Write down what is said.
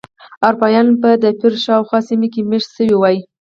اروپایان به د پیرو شاوخوا سیمو کې مېشت شوي وای.